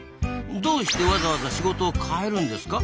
どうしてわざわざ仕事を変えるんですか？